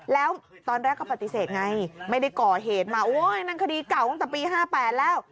แล้วตอนแรกก็ปฏิเสธไงไม่ได้ก่อเหตุมาโอ๊ยนั่นคดีเก่าตั้งแต่ปี๕๘แล้ว